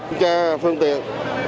kiểm tra phương tiện